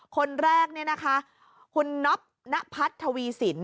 คนแรกนี่นะคะคุณน๊อปณพัททวีสิน